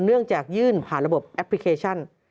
เนื่องจากยื่นผ่านระบบแอปพลิเคชัน